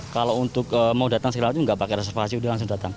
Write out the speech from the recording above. kalau untuk mau datang segala macam nggak pakai reservasi udah langsung datang